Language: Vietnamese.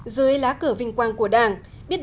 dưới lá cửa vinh quang của đảng